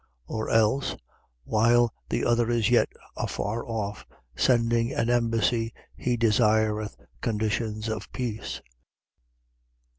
14:32. Or else, while the other is yet afar off, sending an embassy, he desireth conditions of peace.